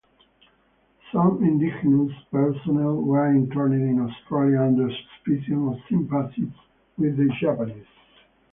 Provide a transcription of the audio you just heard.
Some indigenous personnel were interned in Australia under suspicion of sympathies with the Japanese.